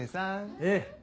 ええ。